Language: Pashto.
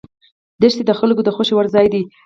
دښتې د خلکو د خوښې وړ ځای دی.